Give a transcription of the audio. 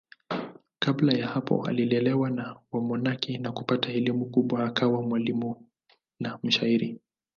Kabla ya hapo alilelewa na wamonaki na kupata elimu kubwa akawa mwalimu na mshairi.